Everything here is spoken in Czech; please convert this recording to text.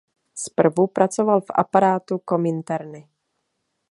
Zprvu pracoval v aparátu Kominterny.